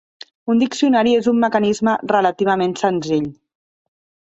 Un diccionari és un mecanisme relativament senzill.